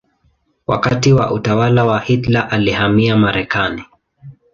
Wakati wa utawala wa Hitler alihamia Marekani.